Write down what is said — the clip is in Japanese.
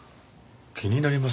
気になりますね。